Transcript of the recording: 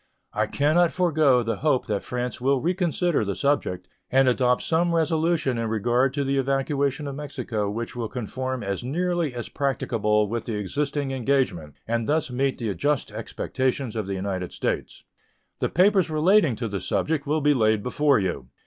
I can not forego the hope that France will reconsider the subject and adopt some resolution in regard to the evacuation of Mexico which will conform as nearly as practicable with the existing engagement, and thus meet the just expectations of the United States. The papers relating to the subject will be laid before you.